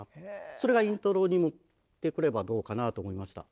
それがイントロに持ってくればどうかなと思いました。